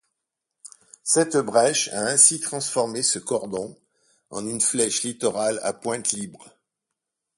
Cette brèche a ainsi transformé ce cordon en une flèche littorale à pointe libre.